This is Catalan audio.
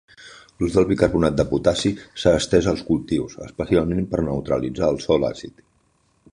L'ús del bicarbonat de potassi s'ha estès als cultius, especialment per neutralitzar el sòl àcid.